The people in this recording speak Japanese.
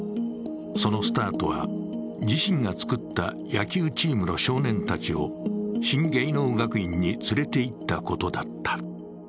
そのスタートは、自身が作った野球チームの少年たちを新芸能学院に連れていったことだった。